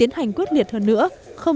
nào sức ép nào